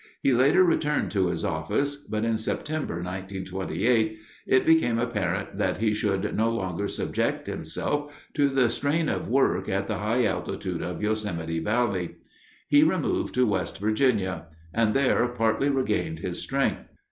He later returned to his office, but in September, 1928, it became apparent that he should no longer subject himself to the strain of work at the high altitude of Yosemite Valley. He removed to West Virginia, and there partly regained his strength.